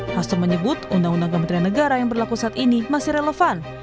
hasto menyebut undang undang kementerian negara yang berlaku saat ini masih relevan